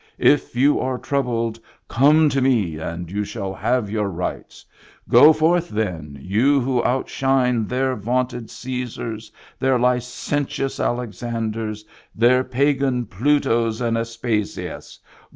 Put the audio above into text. If you are troubled, come to me and you shall have your rights. Go forth then, you who outshine their vaunted Caesars, their licentious Alexanders, their pagan Plutos and Aspasias